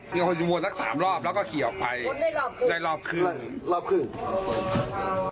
ผมวดละ๓รอบแล้วก็ขี่ออกไปรับครึ่ง